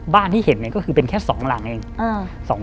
บ้านที่เห็นเนี่ยก็คือเป็นแค่๒หลังเอง